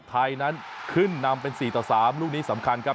ไทยนั้นขึ้นนำเป็น๔ต่อ๓ลูกนี้สำคัญครับ